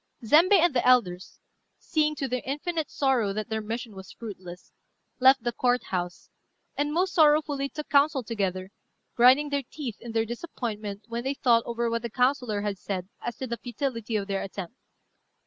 Zembei and the elders, seeing, to their infinite sorrow, that their mission was fruitless, left the Court house, and most sorrowfully took counsel together, grinding their teeth in their disappointment when they thought over what the councillor had said as to the futility of their attempt.